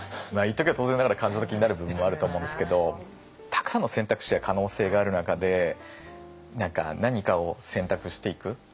一時は当然ながら感情的になる部分もあるとは思うんですけどたくさんの選択肢や可能性がある中で何か何かを選択していく。